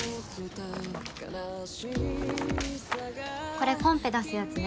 これコンペ出すやつね。